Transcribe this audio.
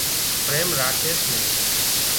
پريم راکي سي